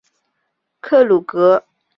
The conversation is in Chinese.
克鲁格说服朱尼尔开枪自杀。